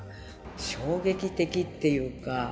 衝撃的っていうか。